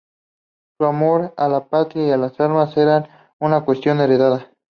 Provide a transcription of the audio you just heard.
Su amor a la patria y a las armas era una cuestión heredada.